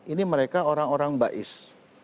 ini mereka orang orang bais